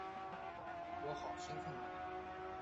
我好兴奋啊！